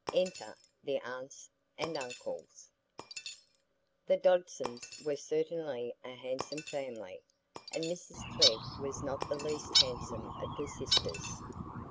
Enter the Aunts and Uncles The Dodsons were certainly a handsome family, and Mrs Glegg was not the least handsome of the sisters.